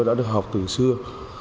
đã được học từ xưa